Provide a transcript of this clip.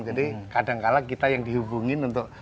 jadi kadang kadang kita yang dihubungin untuk